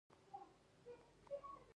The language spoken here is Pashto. د ملي پیوستون پروګرام څه شو؟